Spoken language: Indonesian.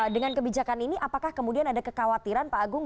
dengan kebijakan ini apakah kemudian ada kekhawatiran pak agung